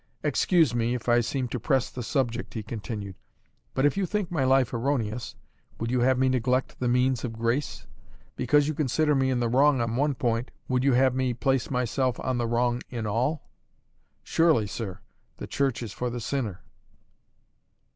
"Excuse me, if I seem to press the subject," he continued, "but if you think my life erroneous, would you have me neglect the means of grace? Because you consider me in the wrong on one point, would you have me place myself on the wrong in all? Surely, sir, the church is for the sinner."